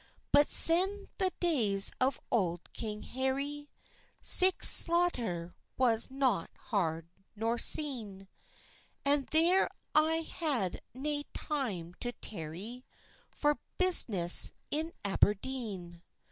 But sen the days of auld King Hairy, Sic slauchter was not hard nor sene, And thair I had nae tyme to tairy, For bissiness in Aberdene.